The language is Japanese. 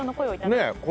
ねえ。